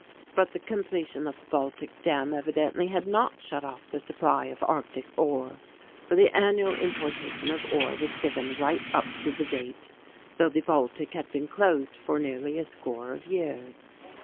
But the completion of the Baltic dam evidently had not shut off the supply of Arctic ore, for the annual importation of ore was given right up to date though the Baltic had been closed for nearly a score of years.